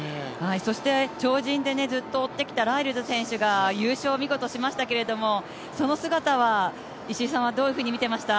超人でずっと追ってきたライルズ選手が見事優勝しましたけど、その姿は、石井さんはどういうふうに見ていました？